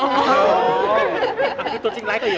อ๋อตัวจริงร้ายกว่าอยู่ละ